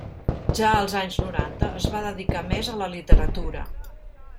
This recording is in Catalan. Ja als anys noranta es va dedicar més a la literatura.